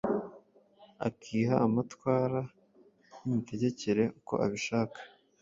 akiha amatwara y’imitegekere uko abishaka,